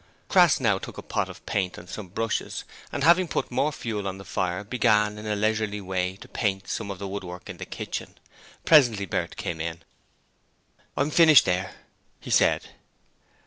Crass now took a pot of paint and some brushes and, having put some more fuel on the fire, began in a leisurely way to paint some of the woodwork in the kitchen. Presently Bert came in. 'I've finished there,' he said.